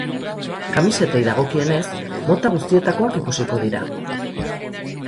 Kamisetei dagokienez, mota guztietakoak ikusiko dira.